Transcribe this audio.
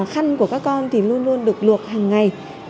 khăn của các con thì luôn luôn được luộc hàng ngày